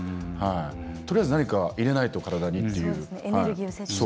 とりあえず、何か入れないと体にっていう。